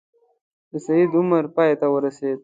د سید عمر پای ته ورسېد.